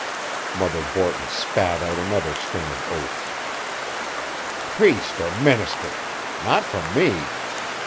Mother Borton spat out another string of oaths. "Priest or minister! Not for me!